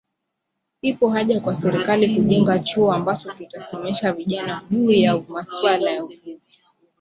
Ipo haja kwa Serikali kujenga chuo ambacho kitasomesha vijana juu ya masuala ya uvuvi